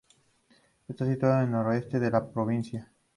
Está situado al Noroeste de la provincia.